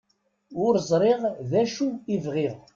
Ur ẓriɣ d acu i bɣiɣ.